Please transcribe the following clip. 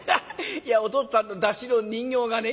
「いやお父っつぁんの山車の人形がね